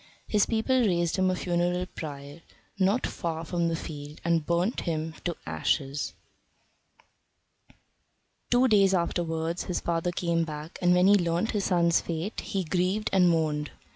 His people raised him a funeral pyre not far from the field and burnt him to ashes. Two days afterwards his father came back, and when he learnt his son's fate he grieved and mourned.